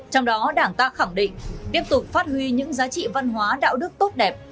trong đó đảng ta khẳng định tiếp tục phát huy những giá trị văn hóa đạo đức tốt đẹp